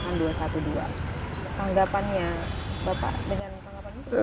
tanggapannya bapak dengan tanggapannya seperti apa